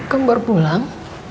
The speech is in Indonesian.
kamu baru pulang